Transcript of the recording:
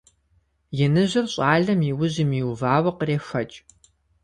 Иныжьыр щӀалэм и ужьым иувауэ кърехуэкӀ.